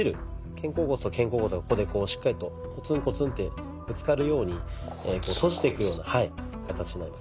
肩甲骨と肩甲骨をここでこうしっかりとコツンコツンってぶつかるように閉じていくような形になります。